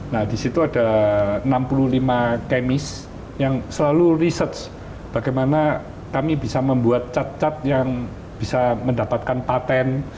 nah di situ ada enam puluh lima kemis yang selalu research bagaimana kami bisa membuat cat cat yang bisa mendapatkan patent